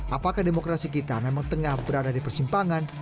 apakah demokrasi kita memang tengah berada di persimpangan